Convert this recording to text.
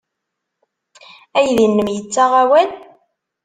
Aydi-nnem yettaɣ awal?